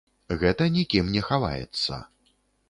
Гэта нікім не хаваецца.